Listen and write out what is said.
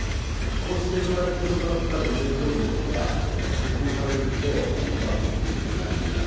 皇室で生まれて育った女性皇族は、結婚されると一般国民におなりになる。